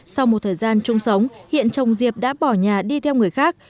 sau một thời gian chung sống hiện chồng diệp đã bỏ nhà đi theo người khác